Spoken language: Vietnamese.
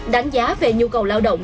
đánh giá về nhu cầu lao động